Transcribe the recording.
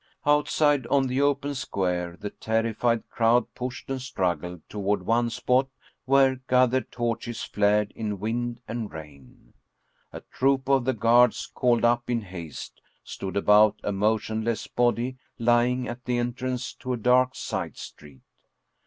Outside on the open square the terrified crowd pushed and struggled toward one spot where gathered torches flared in wind and rain. A troop of the guards, called up in haste, stood about a motionless body lying at the en trance to a dark side street.